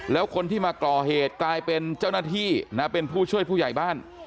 แล้วคนที่มาก่อเหตุกลายเป็นเจ้าหน้าที่นะเป็นผู้ช่วยผู้ใหญ่บ้าน